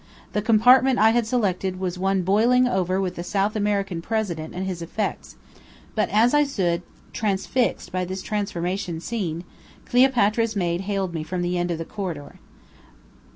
The compartment I had selected was boiling over with a South American president and his effects; but as I stood transfixed by this transformation scene, Cleopatra's maid hailed me from the end of the corridor.